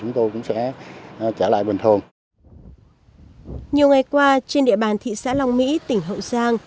nhiều ngày qua trên địa bàn thị xã long mỹ tỉnh hậu giang